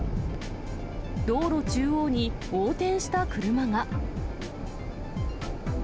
道路中央に横転した車が。